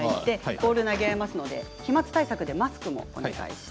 ボール投げをやりますので飛まつ対策でマスクもお願いして。